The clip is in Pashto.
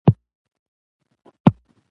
چې مورنۍ ژبه يې نه وي.